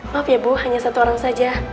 maaf ya bu hanya satu orang saja